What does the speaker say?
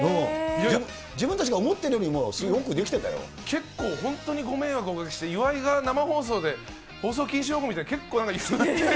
自分たちが思っているよりもよく結構、本当にご迷惑おかけして、岩井が生放送で放送禁止用語みたいなの、結構、なんか言って。